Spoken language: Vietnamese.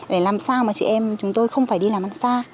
để làm sao mà chị em chúng tôi không phải đi làm ăn xa